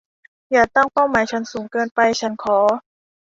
อย่าตั้งเป้าฉันสูงเกินไป ฉันขอ